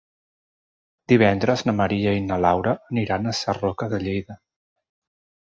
Divendres en Maria i na Laura aniran a Sarroca de Lleida.